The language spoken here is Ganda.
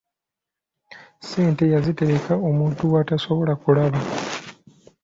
Ssente yaziterekka omuntu w'atasobola kulaba.